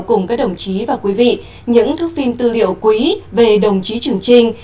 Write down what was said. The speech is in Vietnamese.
cùng các đồng chí và quý vị những thước phim tư liệu quý về đồng chí trường trinh